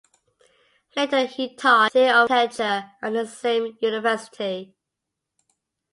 Later he taught "Theory of Architecture" at the same university.